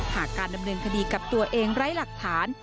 หากการดำเนินคดีกับตัวเองไร้หลักฐาน